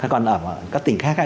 còn ở các tỉnh khác